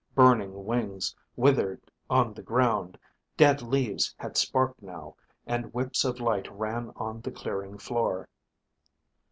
Burning wings withered on the ground; dead leaves had sparked now, and whips of light ran on the clearing floor.